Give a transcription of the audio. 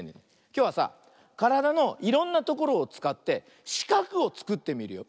きょうはさからだのいろんなところをつかってしかくをつくってみるよ。